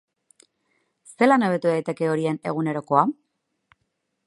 Zelan hobetu daiteke horien egunerakoa?